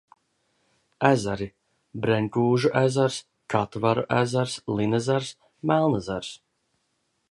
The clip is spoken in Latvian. Ezeri: Brenkūžu ezers, Katvaru ezers, Linezers, Melnezers.